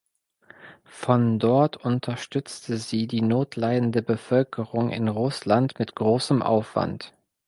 Von dort unterstützte sie die notleidende Bevölkerung in Russland mit großem Aufwand.